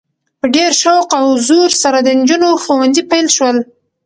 په ډیر شوق او زور سره د نجونو ښونځي پیل شول؛